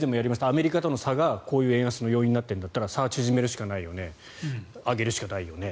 アメリカとの差が円安の要因になっているんなら差を縮めるしかないよね上げるしかないよね